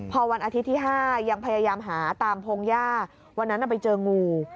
พอวันอาทิตย์ที่๕ยังพยายามหาตามพงหญ้าวันนั้นไปเจองู